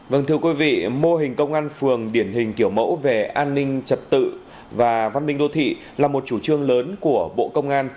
vâng thưa quý vị mô hình công an phường điển hình kiểu mẫu về an ninh trật tự và văn minh đô thị là một chủ trương lớn của bộ công an